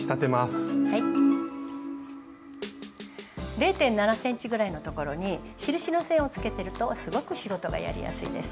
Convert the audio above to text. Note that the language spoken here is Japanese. ０．７ｃｍぐらいのところに印の線をつけてるとすごく仕事がやりやすいです。